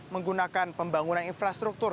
menggunakan pembangunan infrastruktur